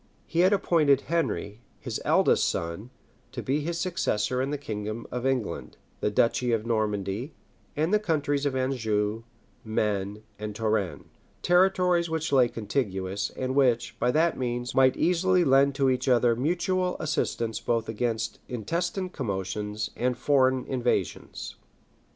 He had appointed Henry, his eldest son, to be his successor in the kingdom of England, the duchy of Normandy, and the counties of Anjou, Maine, and Touraine; territories which lay contiguous, and which, by that means, might easily lend to each other mutual assistance both against intestine commotions and foreign invasions.